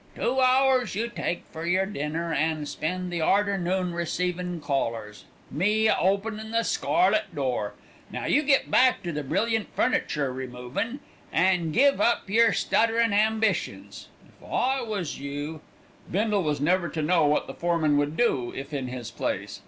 Two hours you take for yer dinner, an' spend the arternoon receivin' callers, me a openin' the scarlet door. Now you get back to the brilliant furniture removin', and give up yer stutterin' ambitions. If I was you " Bindle was never to know what the foreman would do if in his place.